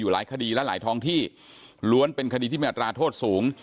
หลายคดีและหลายท้องที่ล้วนเป็นคดีที่มีอัตราโทษสูง